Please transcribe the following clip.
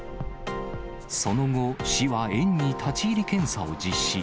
その後、市は園に立ち入り検査を実施。